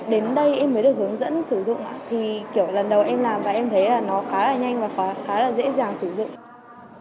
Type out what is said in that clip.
đến đây em mới được hướng dẫn sử dụng thì kiểu lần đầu em làm và em thấy là nó khá là nhanh và khá là dễ dàng sử dụng